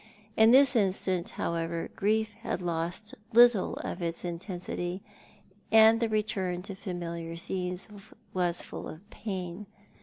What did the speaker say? In this instance, however, grief had lost little of its intensity, and the return to familiar scenes was full of pain.